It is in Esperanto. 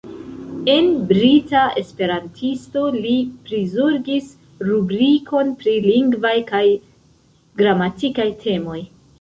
En Brita Esperantisto li prizorgis rubrikon pri lingvaj kaj gramatikaj temoj.